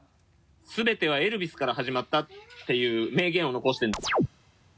「全てはエルヴィスから始まった」ていう名言を残して。